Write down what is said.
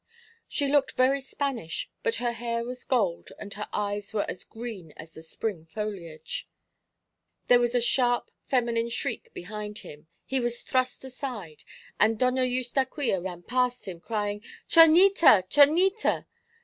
She looked very Spanish, but her hair was gold and her eyes were as green as the spring foliage. Then there was a sharp feminine shriek behind him; he was thrust aside, and Doña Eustaquia ran past him, crying, "Chonita! Chonita!"